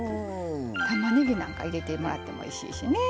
たまねぎなんか入れてもらってもおいしいしね。